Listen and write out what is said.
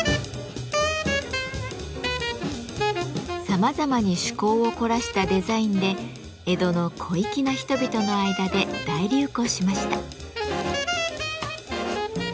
さまざまに趣向を凝らしたデザインで江戸の小粋な人々の間で大流行しました。